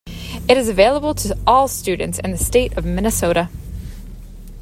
It is available to all students in the state of Minnesota.